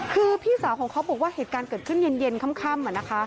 คือพี่สาวของเขาบอกว่าเหตุการณ์เกิดขึ้นเย็นค่ำ